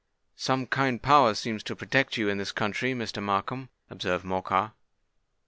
"Some kind power seems to protect you in this country, Mr. Markham," observed Morcar.